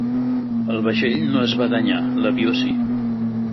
El vaixell no es va danyar, l'avió sí.